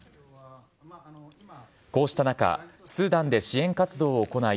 こうした中スーダンで支援活動を行い